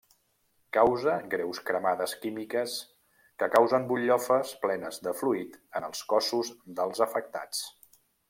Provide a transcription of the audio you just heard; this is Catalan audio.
Causa greus cremades químiques que causen butllofes plenes de fluid en els cossos dels afectats.